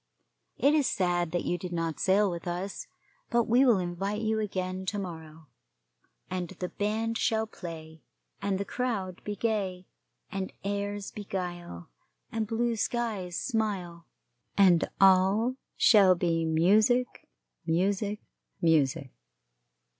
It is sad that you did not sail with us, but we will invite you again to morrow, and the band shall play, and the crowd be gay, and airs beguile, and blue skies smile, and all shall be music, music, music.